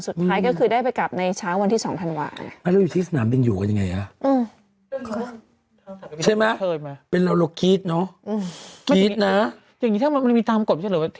สุดท้ายก็คือได้ไปกลับในเช้าวันที่สองธันวาคม